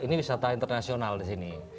ini wisata internasional di sini